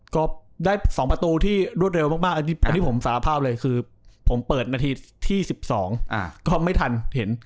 ก็ได้๒ประตูที่รวดเร็วมากอันนี้ผมสารภาพเลยคือผมเปิดนาทีที่๑๒ก็ไม่ทันเห็น